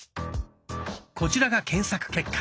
こちらが検索結果。